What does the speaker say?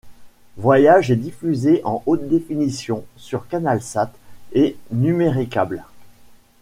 Voyage est diffusée en haute définition sur Canalsat et Numericable.